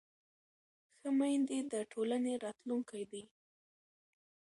ښه میندې د ټولنې راتلونکی دي.